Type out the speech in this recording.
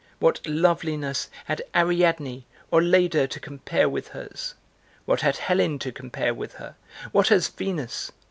What loveliness had Ariadne or Leda to compare with hers? What had Helen to compare with her, what has Venus?